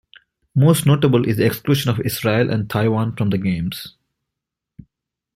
Most notable is the exclusion of Israel and Taiwan from the Games.